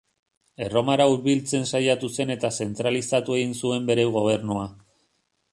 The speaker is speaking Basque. Erromara hurbiltzen saiatu zen eta zentralizatu egin zuen bere gobernua.